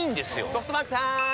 ソフトバンクさーん！